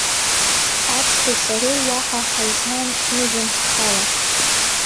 Аҵхи сареи уаҳа ҳаизааншәмыжьын ҳхала!